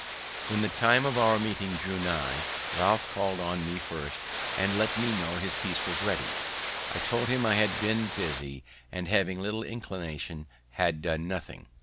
When the time of our meeting drew nigh, Ralph called on me first, and let me know his piece was ready. I told him I had been busy, and, having little inclination, had done nothing.